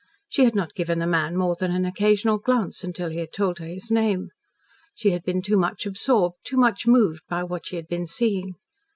She had not given the man more than an occasional glance until he had told her his name. She had been too much absorbed, too much moved, by what she had been seeing.